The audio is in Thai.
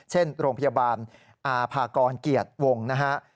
เช่นโรงพยาบาลอาภากรเกียรติวงศ์นะฮะ